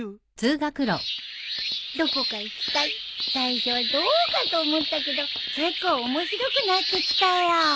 どこか行き隊最初はどうかと思ったけど結構面白くなってきたよ。